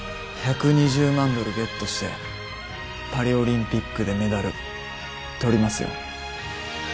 １２０万ドルゲットしてパリオリンピックでメダルとりますよ